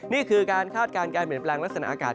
นี่คือการคาดการณ์การเปลี่ยนแปลงลักษณะอากาศ